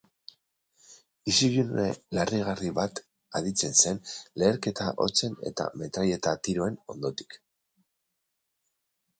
Isilune larrigarri bat aditzen zen leherketa-hotsen eta metraileta-tiroen ondotik.